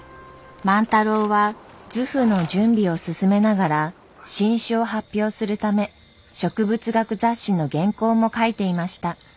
万太郎は図譜の準備を進めながら新種を発表するため植物学雑誌の原稿も書いていました。